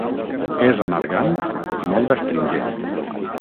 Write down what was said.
És amargant i molt astringent.